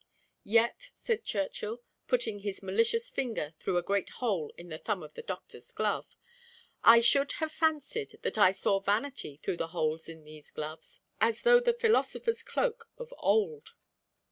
"Yet " said Churchill (putting his malicious finger through a great hole in the thumb of the doctor's glove) "I should have fancied that I saw vanity through the holes in these gloves, as through the philosopher's cloak of old."